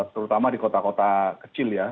terutama di kota kota kecil ya